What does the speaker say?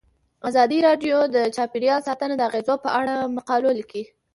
ازادي راډیو د چاپیریال ساتنه د اغیزو په اړه مقالو لیکلي.